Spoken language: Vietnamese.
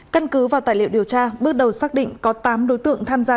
căn cứ vào tài liệu điều tra bước đầu xác định có tám đối tượng tham gia